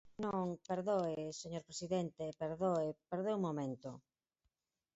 Non, perdoe, señor presidente, perdoe, perdoe un momento.